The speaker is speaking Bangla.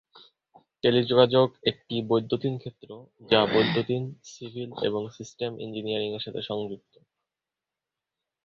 টেলিযোগাযোগ একটি বৈদ্যুতিন ক্ষেত্র যা বৈদ্যুতিন, সিভিল এবং সিস্টেম ইঞ্জিনিয়ারিংয়ের সাথে যুক্ত।